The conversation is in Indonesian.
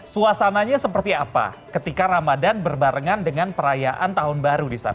suasananya seperti apa ketika ramadan berbarengan dengan perayaan tahun baru di sana